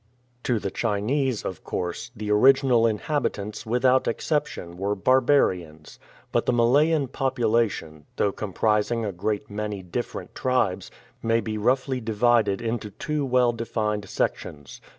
*" To the Chinese, of course, the original inhabitants without exception were "barbarians," but the Malayan population, though comprising a great many different tribes, may be roughly divided into two well defined sections.